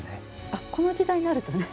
あっこの時代になるとね。